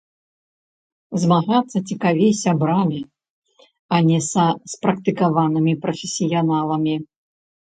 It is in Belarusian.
Змагацца цікавей з сябрамі, а не са спрактыкаванымі прафесіяналамі.